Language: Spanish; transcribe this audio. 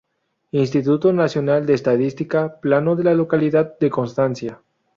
Instituto Nacional de Estadística: "Plano de la localidad de Constancia"